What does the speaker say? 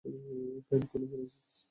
Pant খুলে ফেলেছি।